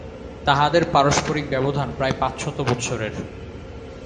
তাঁহাদের পারস্পরিক ব্যবধান প্রায় পাঁচশত বৎসরের।